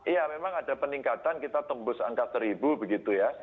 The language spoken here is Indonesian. iya memang ada peningkatan kita tembus angka seribu begitu ya